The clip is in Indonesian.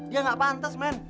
dia gak pantas man